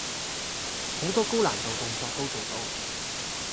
好多高難度動作都做到